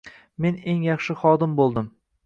"Men eng yaxshi xodim bo‘ldim.